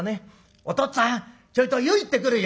『おとっつぁんちょいと湯行ってくるよ』。